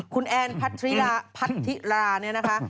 คุณแอนพัทธิราเนี่ยนะคะ